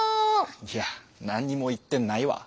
いや何にも言ってないわ。